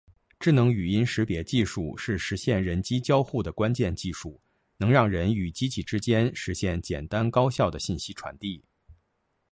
智能语音识别技术是实现人机交互的关键技术，能让人与机器之间实现简单高效的信息传递。